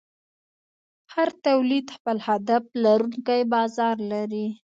هر تولید خپل هدف لرونکی بازار لري.